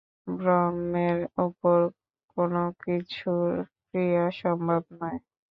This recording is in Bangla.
ব্রহ্মের উপর কোন কিছুর ক্রিয়া সম্ভব নয়।